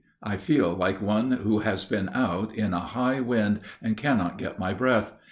I feel like one who has been out in a high wind, and cannot get my breath.